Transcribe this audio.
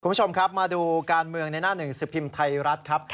คุณผู้ชมครับมาดูการเมืองในหน้าหนึ่งสิบพิมพ์ไทยรัฐครับ